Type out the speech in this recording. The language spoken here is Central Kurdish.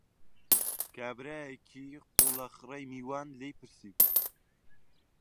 کابرایەکی قوڵەخڕەی میوان، لێی پرسیم: